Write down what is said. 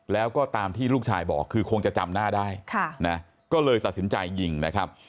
แล้วก็ตามที่ลูกชายบอกคือคงจะจำหน้าได้ก็เลยตัดสินใจยิงนะครับ